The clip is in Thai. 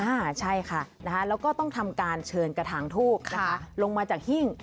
อ่าใช่ค่ะนะคะแล้วก็ต้องทำการเชิญกระถางทูบนะคะลงมาจากหิ้ง